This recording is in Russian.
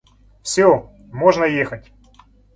Всё, можно ехать!